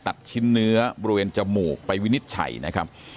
ตัดชิ้นเนื้อบริเวณจมูกไปวินิจฉัยนะครับ